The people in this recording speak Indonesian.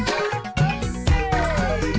saya pengen makan